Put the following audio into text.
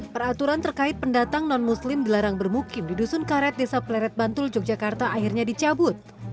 peraturan terkait pendatang non muslim dilarang bermukim di dusun karet desa pleret bantul yogyakarta akhirnya dicabut